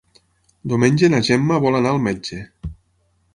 Diumenge na Gemma vol anar al metge.